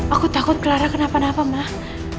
aku takut clara kenapa napa mah